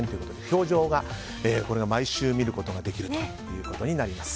「教場」が毎週見ることができるということになります。